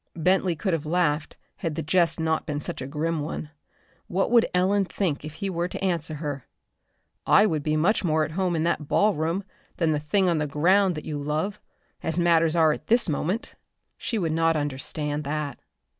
Bentley could have laughed had the jest not been such a grim one. What would Ellen think if he were to answer her: "I would be much more at home in that ballroom than that thing on the ground that you love as matters are at this moment!" She would not understand that.